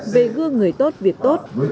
về gương người tốt việc tốt